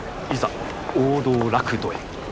いざ王道楽土へ。